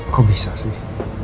kok bisa sih